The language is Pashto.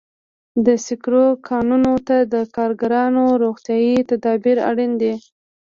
د سکرو کانونو ته د کارګرانو روغتیايي تدابیر اړین دي.